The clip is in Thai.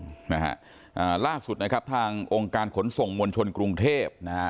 นะฮะอ่าล่าสุดนะครับทางองค์การขนส่งมวลชนกรุงเทพนะฮะ